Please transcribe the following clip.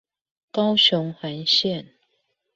高雄環線